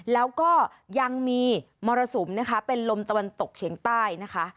แล้วก็ยังมีมรสุมนะคะเป็นลมตะวันตกเฉียงใต้นะคะ